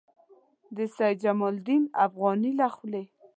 د سید جمال الدین افغاني له خولې.